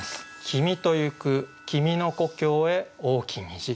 「君とゆく君の故郷へ大き虹」。